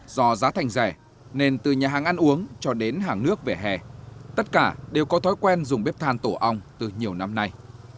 do giá thành rẻ nên từ nhà hàng ăn uống cho đến hàng nước về hè tất cả đều có thói quen dùng bếp than tổ ong từ nhiều năm nay